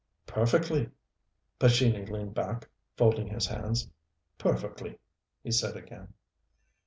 "Perfectly." Pescini leaned back, folding his hands. "Perfectly," he said again.